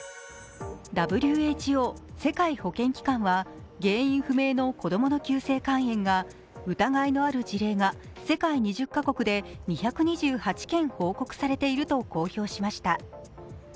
ＷＨＯ＝世界保健機関は原因不明の子供の急性肝炎が疑いのある事例が世界２０カ国で２２８件報告されていると公表しました。